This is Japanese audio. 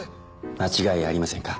間違いありませんか？